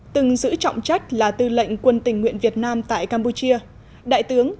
từng giữ trọng trách là tư lệnh quân tình nguyện việt nam tại campuchia đại tướng